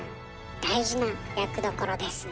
大事な役どころですね。